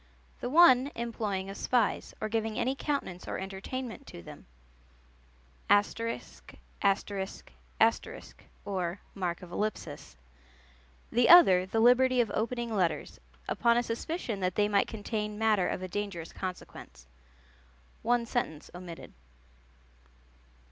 The one, employing of spies, or giving any countenance or entertainment to them. The other, the liberty of opening letters, upon a suspicion that they might contain matter of a dangerous consequence." (One sentence omitted.)